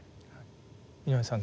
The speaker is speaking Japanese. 井上さん